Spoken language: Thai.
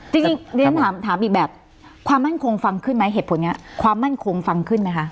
จริงเรียนถามอีกแบบความมั่นคงฟังขึ้นไหมเหตุผลนี้ความมั่นคงฟังขึ้นไหมคะ